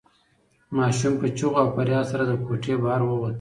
ماشوم په چیغو او فریاد سره له کوټې بهر ووت.